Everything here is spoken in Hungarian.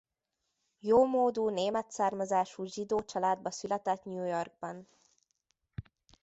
Jómódú német származású zsidó családba született New Yorkban.